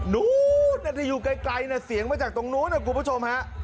นู้นที่อยู่ไกลนะเสียงมาจากตรงนู้นนะคุณผู้ชมฮะ